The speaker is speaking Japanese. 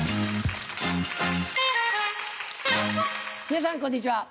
皆さんこんにちは。